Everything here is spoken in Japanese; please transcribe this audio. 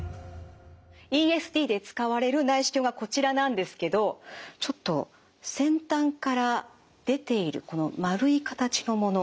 ＥＳＤで使われる内視鏡がこちらなんですけどちょっと先端から出ているこの丸い形のもの。